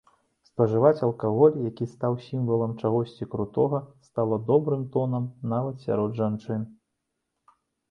Спажываць алкаголь, які стаў сімвалам чагосьці крутога, стала добрым тонам нават сярод жанчын.